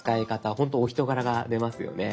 ほんとお人柄が出ますよね。